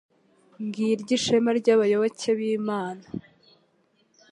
Ngiryo ishema ry’abayoboke b’Imana